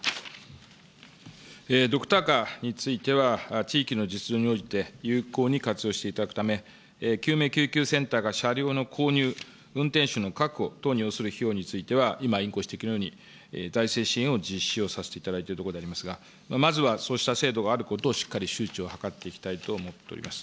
ドクターカーについては、地域の実情に応じて有効に活用していただくため、救命救急センターが車両の購入、運転手の確保等に要する費用については、今、委員ご指摘のように財政支援を実施をさせていただいているところでありますが、まずはそうした制度があることをしっかり周知を図っていきたいと思っております。